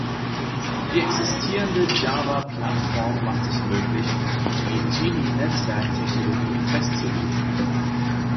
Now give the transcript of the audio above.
Die existierende Java-Plattform macht es möglich, die Jini-Netzwerktechnologie festzulegen.